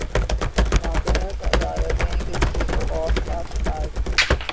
ماتحت عدالتیں کس خوف کا شکار تھیں؟